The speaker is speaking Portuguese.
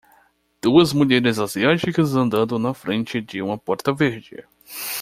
duas mulheres asiáticas andando na frente de uma porta verde